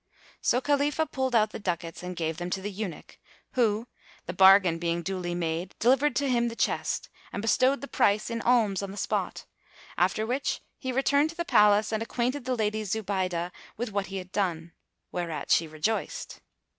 So Khalifah pulled out the ducats and gave them to the eunuch, who, the bargain being duly made, delivered to him the chest and bestowed the price in alms on the spot; after which he returned to the Palace and acquainted the Lady Zubaydah with what he had done, whereat she rejoiced.